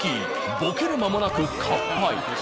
ボケる間もなく完敗。